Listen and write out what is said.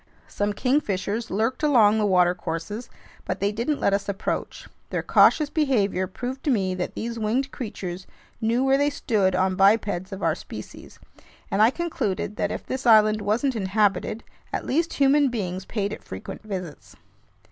Some kingfishers lurked along the watercourses, but they didn't let us approach. Their cautious behavior proved to me that these winged creatures knew where they stood on bipeds of our species, and I concluded that if this island wasn't inhabited, at least human beings paid it frequent visits.